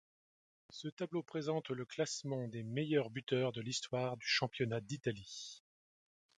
Ce tableau présente le classement des meilleurs buteurs de l'histoire du championnat d'Italie.